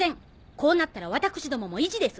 こうなったら私どもも意地です！